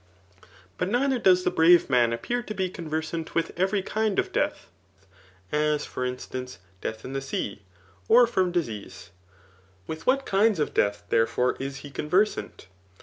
But neither does the brave man appear to be conversant with every kind of death ; as, for inistancc^ death in tl^ sea, or from disease. With ^at kinds of death, therefore, is he conversant